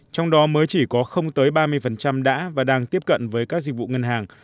trong đó mới chỉ có không tới ba mươi đã và đang tiếp cận với các dịch vụ ngân hàng